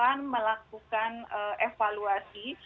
yang akan melakukan evaluasi